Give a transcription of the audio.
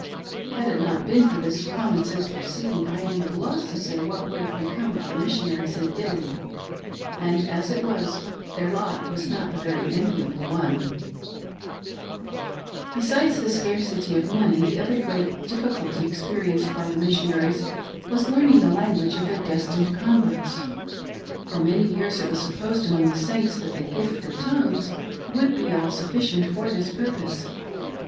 Had it not been for this common sense proceeding I am at a loss to say what would have become of the Missionaries in Italy ; and as It was, their lot was not a very enviable one. I08 WANTED — "the GIFT OF TONGUES." Besides the scarcity of money, the other great difficulty ex perienced by the Missionaries was learning the language of their destined converts. For many years, it was supposed among the Saints that the " Gift of Tongues" would be all suffi cient for this purpose.